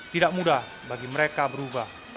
tidak mudah bagi mereka berubah